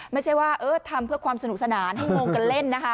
ไม่ใช่ว่าทำเพื่อความสนุกสนานให้งงกันเล่นนะคะ